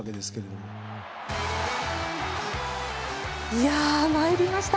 いや、参りました。